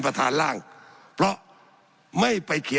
สับขาหลอกกันไปสับขาหลอกกันไป